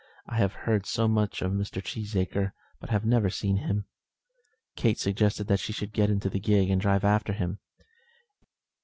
"I have heard so much of Mr. Cheesacre, but have never seen him." Kate suggested that she should get into the gig and drive after him.